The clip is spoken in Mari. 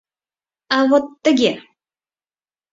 — А вот тыге!